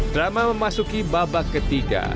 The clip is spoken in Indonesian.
drama memasuki babak ketiga